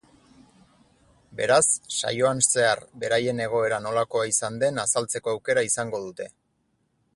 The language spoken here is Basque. Beraz, saioan zehar beraien egoera nolakoa izan den azaltzeko aukera izango dute.